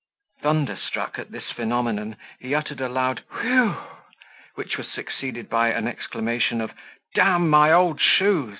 Thunderstruck at this phenomenon, he uttered it loud whew! which was succeeded by an exclamation of "D my old shoes!